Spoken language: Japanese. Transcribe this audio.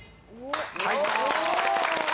はい。